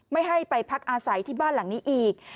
ไม่ให้ไปพักอาศัยที่บ้านหลังนี้อีก